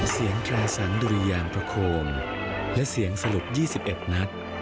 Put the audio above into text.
เสียงทราสังธุริยามประโคมและเสียงสลุทธ์๒๑นัด